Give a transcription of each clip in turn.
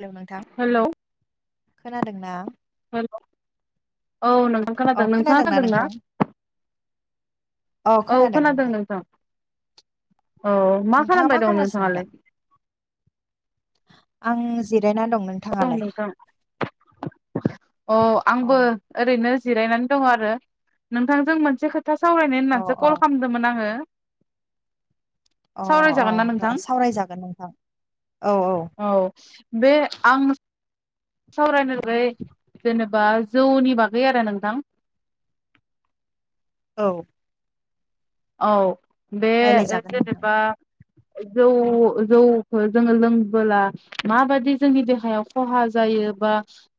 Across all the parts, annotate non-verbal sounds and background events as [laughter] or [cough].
Hello नोंथां। खोनादों ना। हेलौ। औ नोंथां अ खोनादों नोंथाङा खोनादोंना खोनादों नोंथां ना। औ खोनादों नोंथां। औ मा नोंथाङा खालामबाय दं खालामगासिनो दा नोंथाङालाय। आं जिद। द नोंथां अ आंबो ओरैनो। जिरायनानै दङ आरो नोंथांजों मोनसे खोथा। खोथा सावरायनाय अ होननानैसो अ कल खालामदोंमोन आङो। अ सावरायजागोन ना नोंथां अ सावरायजागोन नोंथां औ औ। बे। आं। सावरायनानै जेनेबा जौनि बागै आरो नोंथां। औ औ बे ओ रायलायजागोन नोंथां जेनेबा जौ जौखो जोङो लोंबोला माबादि जोंनि देहायाव खहा जायो बा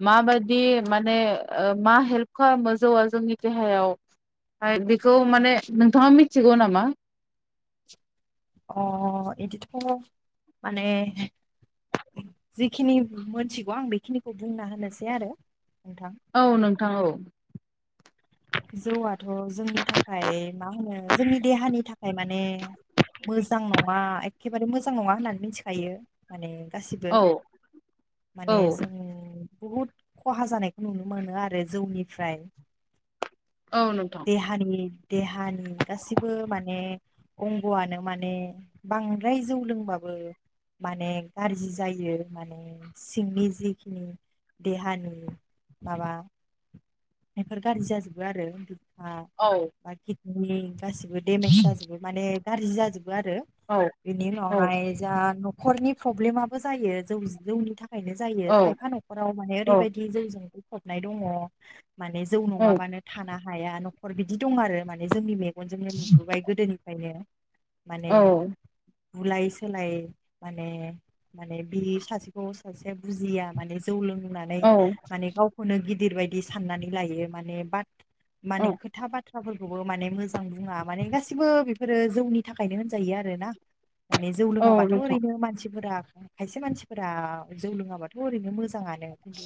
माबादि माने ओ मा हेल्प खालामो जौआ जोंनि देहायाव बेखौ माने नोंथाङा मि थिगौ नामा अ इदिथ' माने जिखिनि मोनथिगौ आं बेखिनिखौ बुंना होनोसै आरो नोंथां औ नों थां औ जौआथ' जोंनि थाखाय मा होनो जोंनि देहानि थाखाय माने मोजां नङा एखेबारे मोजां नङा होननानै मिथिखायो माने गासिबो औ औ माने जों बुहुद खहा जानायखौ नुनो मोनो आरो जौनिफ्राय औ नोंथां देहानि देहानि गासिबो माने अंग'आनो माने बांद्राय जौ लोंबाबो माने गाज्रि जायो माने सिंनि जिखिनि देहानि माबा बेफोर गाज्रि जाजोबो आरो औ [unintelligible] गासिबो डेमेज जाजोबो माने गाज्रि जाजो बो आरो औ बिनि औ उनावहाय जा न' खरनि प्रब्लेमाबो जायो जौ जौनि था खायनो जायो औ खायफा न'खराव माने औ ओरैबायदि जौजों [unintelligible] दङ माने जौ औ नङाबानो थाना हाया न'खर बिदि दं आरो माने जोंनि मे गनजोंनो नुबोबाय गोदोनिफ्रायनो माने औ बुलाय सोलाय माने माने बि सासेखौ सासे बुजिया माने जौ लोंनानै औ माने गावखौनो गि दिरबादिस साननानै लायो माने बाथ माने औ खोथा बाथ थ्राफोरखौबो माने मोजां बुङा माने गासिबो बेफोरो जौनि थाखायनो होनजायो आरो ना माने जौ औ लोङाबाथ' नोंथां ओरैनो मानसिफोरा खायसे मानसिफोरा जौ लोङाबाथ' ओरैनो मोजाङानो खिन्थु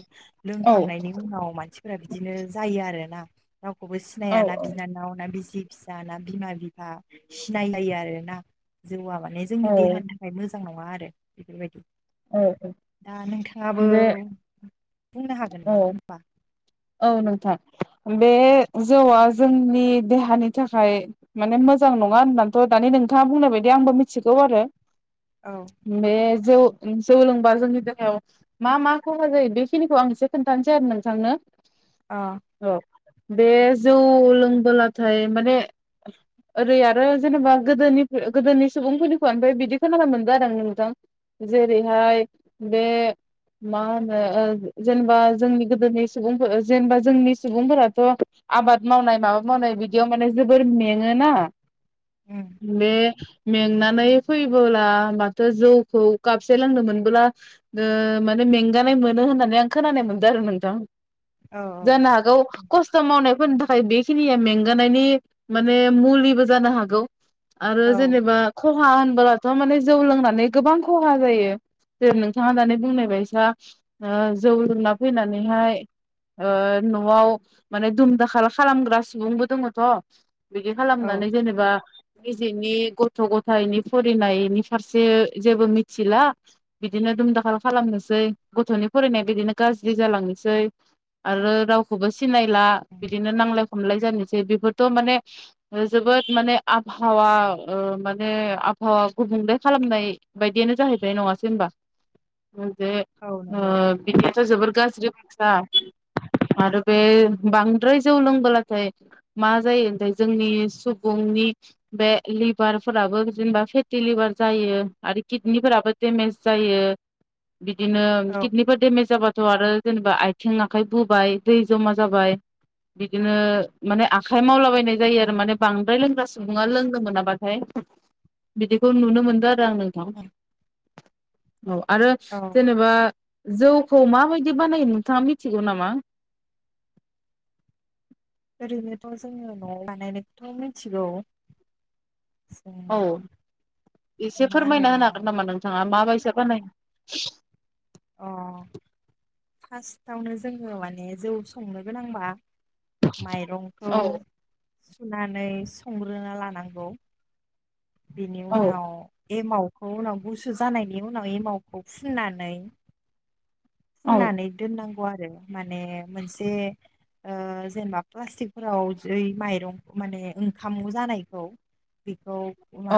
औ लोंखांनायनि उनाव मानसि फोरा बिदिनो जायो आ रो ना रावखौबो औ सिनाय ना औ बिनानाव ना बिसि फिसा ना बिमा बिफा सिनायलायो आरो ना जौआ माने जोंनि देहानि औ थाखाय मोजां मोजां नङा आरो बेफोरबायदि औ दा नोंथाङाबो बेे बुंनो हागोन नामा होमबा औ नोंथां बे जौवा जोंनि बे औ जौ जौ लोंबा जोंनि देहायाव मा मा खहा जायो बेखिनिखौ आं एसे खोन्थानोसै आरो नोंथांनो ओ औ बे जौ लोंबोलाथाय माने ओरै आरो जेनेबा गोदोनिफा गोदोनि सुबुंफोरनि खुगानिफाय बिदि खोनानो मोनदों आरो नोंथां जेरैहाय बे मा होनो ओ जेनबा जोंनि गोदोनि सुबुंफो जेनबा जोंनि सुबुंफोराथ' आबाद मावनाय माबा मावनाय बिदियाव माने जोबोर मेङोना उम बे मेंनानै फैबोला माथो जौखौ कापसे लोंनो मोनबोला ओ माने मेंगानाय मोनो होननानै आं खोनानाय मोनदो आरो नोंथां औ जाना हागौ खस्थ' मावनाय फोरनि थाखाय बेखिनिया मेंगानायनि माने मुलिबो जानो हागौ। आरो औ जेनेबा ख खहा होनबोलाथ' माने जौ लोंनानै गोबां खहा जायो जेरै नोंथाङा दानि बुंनाय बायसा जौ लोंना फैनानैहाय ओ न'आव माने दुम दाखा खालामग्रा सुबुंबो दङथ' बिदि औ खालामनानै जेनेबा निजिनि गथ' गथायनि फरिनायनि फारसे जेबो मिथिला बिदिनो दुमदाखाल खालामनोसै गथ'नि फरिनाया बिदिनो गाज्रि जालांनोसै आरो रावखौबो सि सिनायला बिदिनो नांलाय ख खमलाय जानोसै बेफोरथ' माने जोबोद माने आबहावा ओ माने आबहावा गुबुंले खालामनाय बायदियानो जाहैबाय नङासै होबा मोनसे औ नंगौ ओ बिदियाथ' जोबोर गाज्रि अबस्था आरो बे बांद्राय जौ लोंबोलाथाय मा जायो ओमफाय जोंनि सुबुंनि बे लिभारफोराबो जेनबा फेटि लिभार जायो आरो किडनिफोराबो डेमेज जायो। बिदिनो औ किदनिफोर देमेज जाबा थ' आरो जेनेबा आय थें आखाइ बुबाय दै जमा जाबाय बिदिनो माने आखाइ मावलाबाय नाय आरो उम बांद्राय लोंग्रा सुब सुबुङा लोंनो मोनाबाथाय बिदिखौ नुनो मोनदो आ रो आं नोंथां उम औ आरो औ जेनेबा जौखौ माबायदि बानायो नोंथाङा मि थिगौ नामा? ओरैनोथ' जोङो न'आव बानायनायखौथ' मिथिगौ। जों औ एसे फोरमायना होनो हागोन नामा नोंथाङा माबायसा [unintelligible] फास्टावनो जोङो माने जौ संनो गोनांबा माइरंखौ औ सुनानै संग्रोना लानांगौ। बेनि औ उनाव एमाव खौ उनाव गुसु जानायनि उनाव एमावखौ फुननानै औ फुननानै दोननां गौ आरो माने मोनसे ओ जेनेबा प्लास्टिकफोराव जै माइरं माने ओंखाम जानायखौ बेखौ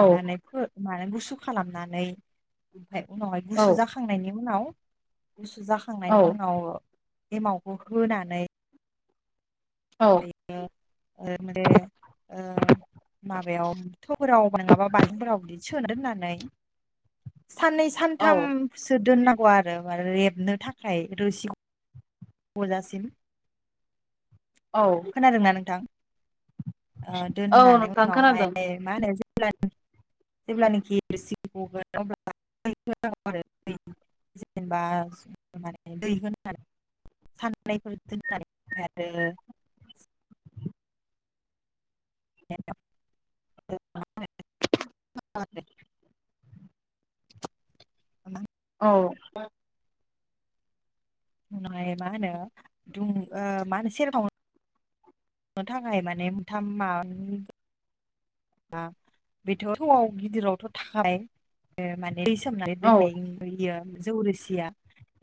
औ फो मानो गुसु खालामनानै ओमफ्राय उनावहाय औ गुसु जाखांनायनि उनाव [inaudible] गुसु औ जाखांनायनि उनाव एमावखौ होनानै औ माबायाव थौफोराव नङाबा बालथिं फोराव [unintelligible] सोना दोननानै साननै औ सानथामसो दोननां गौ आरो माने रेबनो थाखाय रोसि गजासिम। औ खोनादों ना नोंथां? ओ औ दोननानै नोंथां खोनादों उनावहाय मा होनो जेब्लानाखिसि रोसि गगोन अब्ला [unintelligible] जेनेबा माने दै होनानै साननैफोर दोननानै ओमफ्राय आरो [unintelligible] [unintelligible] औ। दुंनाय मा होनो दुं ओ मा होनो सेरेबखावनो [unintelligible] थाखाय माने [unintelligible] [unintelligible] बेथ' थौआव गिदिरावथ' थाखाबाय [unintelligible] दै सोमनानै औ दोननाय [unintelligible] जौरोसिया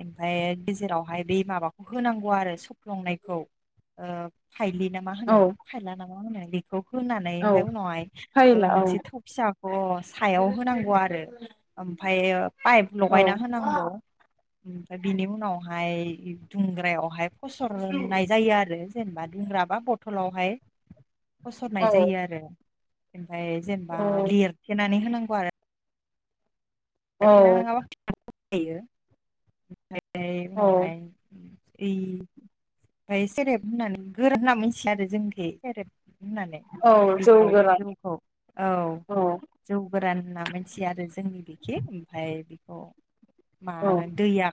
ओमफ्राय गेजेरावहाय बे माबाखौ होनांगौ आरो सफ्लंनायखौ। थाइलि ना मा औ होनो थायला नाम [inaudible] बेखौ खोनानै औ ओमफ्राय उनावहाय ओ फायला औ मोनसे थौ फिसा अ' सायाव होनांगौ आरो ओमफ्रायो पाइप औ लगायना होनांगौ ओमफ्राय बिनि उनावहाय दुंग्रायावहाय फसरनाय जायो आरो जेनेबा दुंग्रा बा बथलावहाय औ फसरनाय जायो आरो ओमफ्राय जेनेबा औ लेरथेनानै होनांगौ [unintelligible] औ [unintelligible] ओयो ओमाय उनावहाय ओइ ओमफ्राय सेरेब होननानै गोरोबना मिथिया आरो जोंनिखै सेरेब होननानै औ जौ बेखौ गोरान जौखौ औ जौ गोरान होनना मिथिया आरो जोंनि बे ओमफ्राय बेखौ मा औ होन दैया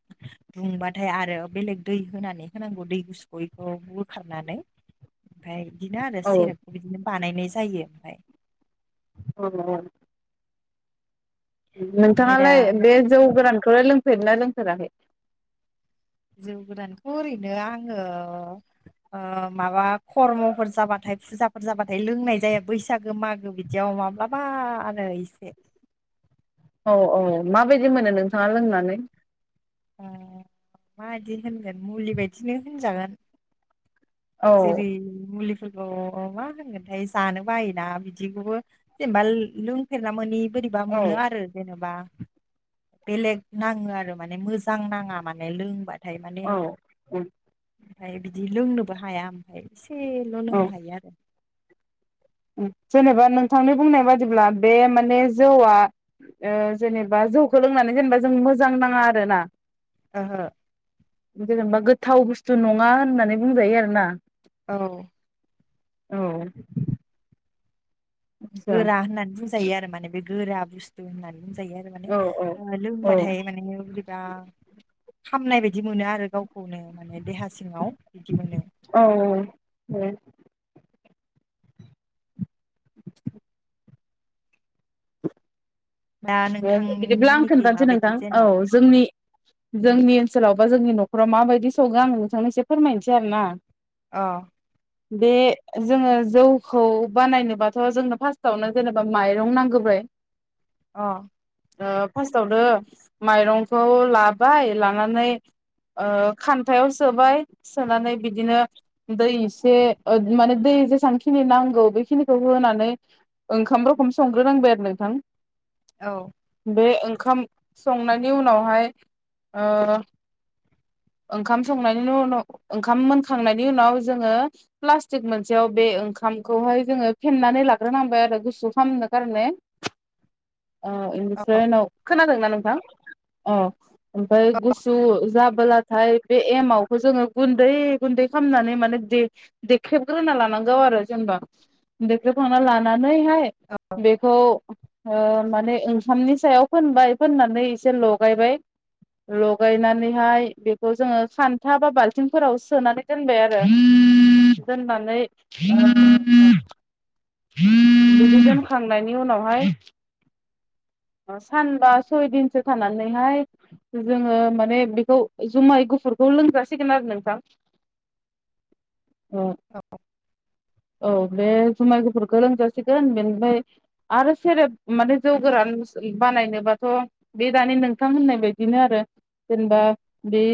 दुंबा [unintelligible] फ्राय आरो बेलेग दै होनानै होनांगौ दै गुसुखौै बिखौ बोखारनानै ओमफ्राय बिदिनो आरो औ सेरेपखौ बिदिनो बानायनाय जायो जायो ओमफ्राय औ ओमफ्राय दा नोंथाङालाय बे जौ गोरान बखौ लोंफेरा लोंफेराखै? जौ गोदानखौ ओरैनो आङो माबा खर्मफोर जाबाथाय फुजाफोर जाबाथाय लोंनाय जाया बैसागो मागो बिदियाव माब्लाबा आरो इसे औ औ माबायदि मोनो नोंथाङा लोंनानै माबायदि होनगोन मुलि बायदिनो होनजागोन औ सेरि मुलि बुु मा होनगोनथाय जानो बायोना बिदिखौबो जेनेबा लोंफेरना मोनि बोरैबा औ मोनो आरो जेनेबा बेलेग नाङो आरो माने मोजां नाङा माने लोंबानो नाथाय माने औ [inaudible] ओमफफ्राय बिदि लोंनोबो हाया ओमफ्रायसे एसेल' लोंनो हायो आरो जेनोबा नोंथांनि बुंनाय बादिब्ला बे माने जौया ओ जेनोबा जौखौ लोंनानै जेनोबा जों मोजां नाङा आरो ना? ओहो। जेनोबा गोथाव बुस्थु नङा होननानै बुंजायो आरो ना? औ। औ। आतसा गोरा होननानै बुंजायो आरो माने बे गोरा बुस्थु होननानै बुंजायो आरो माने औ लोंबाथाय माने बोरैबा खामनाय बायदि मोनो आरो गाव खौनो माने देहा सिङाव बिदि मोनो। औ दा बिदिब्ला आं नोंथांमोननिखि खोन्थानोसै नोंथां माबायदि औ जेनेबा जोंनि जोंनि सोलावबा जोंनि न'खराव माबायदि सौगो आं नोंथांनो एसे फोरमायनोसै आरो ना। औ। बे जोङो जौखौ बानायनोबाथ' जोंनो फार्स्टआवनो जेनेबा माइरं नांग्रोबाय अ। ओ फार्स्टआवनो माइरंखौ लाबाय लानानै ओ खान्थायाव सोबाय सोनानै बिदिनो दै एसे ओ माने दै जेसांखिनि नांगौ बेखिनिखौ होनानै ओंखाम रखोम संग्रोनांबाय आरो नोंथां। औ। बे ओंखाम संनायनि उनावहाय ओ ओंखाम संनायनि उनाव ओंखाम मोनखांनायनि उनाव जोङो प्लास्टिक मोनसेयाव बे ओंखामखौहाय जोङो फेन्नानै लाग्रोनांबाय आरो गुसु खालामनो खारने। अ औ इनिफ्राय उनाव, खोनादों नों थां? अ। ओमफ्राय गुसु जा बोलाथाय बे एमावखौ जोङो गुन्दै गुन्दै खालामनानै माने दे देख्रेबग्रोना लानांगौ आरो जेनेबा देख्रेबखांना लाना नैहाय बेखौ ओ। माने ओंखामनि सायाव फोनबाय फोननानै एसे लगायबाय लगायनानैहाय बेखौ जोङो सान्था बा बाल्थिंफोराव सोनानै दोनबाय आरो दोननानै ओ औ। बिखौ जोमखांनायनि उनावहाय सानबा सयदिनसो थानानैहाय जोङो माने बेखौ जुमाय गुफुरखौ लोंजासिगोन आरो नोंथां। औ औ बे जुमाय गुफुरखौ लोंजासिगोन बेनिफ्राय आरो सेरब माने जौ गोरान बानायनोबाथ' बे दानि नोंथां होननाय बदिनो आरो जेनेबा बे